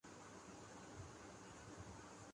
موجودہ زمانے میں امتِ مسلمہ کا ایک بڑا المیہ یہ ہے